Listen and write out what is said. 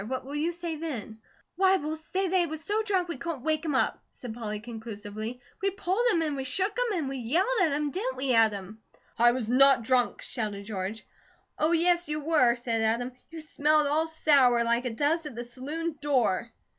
What will you say then?" "Why, we'll say that he was so drunk we couldn't wake him up," said Polly conclusively. "We pulled him, an' we shook him, an' we yelled at him. Didn't we, Adam?" "I was not drunk!" shouted George. "Oh, yes, you were," said Adam. "You smelled all sour, like it does at the saloon door!"